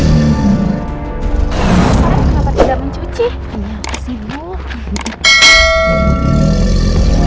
robert tidak mau cuci memoir kita